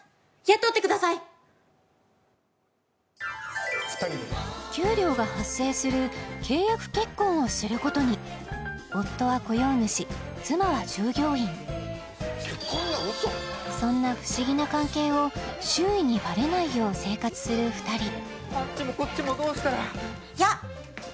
雇ってください給料が発生する契約結婚をすることに夫は雇用主妻は従業員そんな不思議な関係を周囲にバレないよう生活する２人あっちもこっちもどうしたらヤッ！